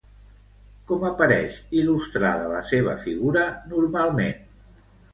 Com apareix il·lustrada la seva figura normalment?